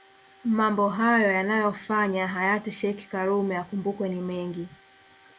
Mambo hayo yanayofanya hayati sheikh karume akumbukwe ni mengi